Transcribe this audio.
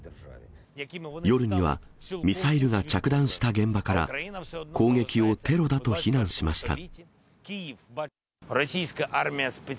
夜には、ミサイルが着弾した現場から、攻撃をテロだと非難しました。